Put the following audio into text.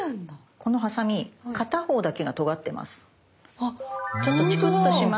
このハサミ片方だけがとがってます。